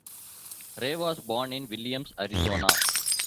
Ray was born in Williams, Arizona.